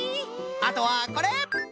あとはこれ！